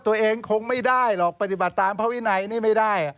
ตัวเองคงไม่ได้หรอกปฏิบัติตามพระวินัยนี่ไม่ได้